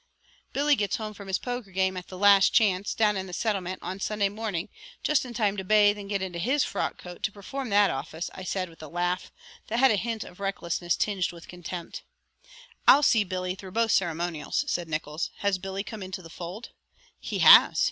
"Billy gets home from his poker game at the Last Chance, down in the Settlement, on Sunday morning, just in time to bathe and get into his frock coat to perform that office," I said with a laugh that had a hint of recklessness tinged with contempt. "I'll see Billy through both ceremonials," said Nickols. "Has Billy come into the fold?" "He has!